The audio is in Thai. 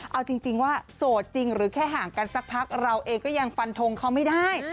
เอาจริงว่าโสดจริงหรือแค่ห่างกันสักพักเราเองก็ยังฟันทงเขาไม่ได้